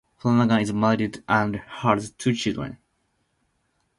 Flanagan is married and has two children.